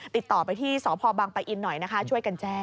ติดต่อไปที่สพบังปะอินหน่อยนะคะช่วยกันแจ้ง